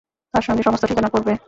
তাঁর সঙ্গে সমস্ত ঠিকানা করবে।